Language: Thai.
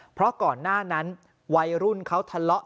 เพราะก่อนหน้านั้นวัยรุ่นเขาทะเลาะ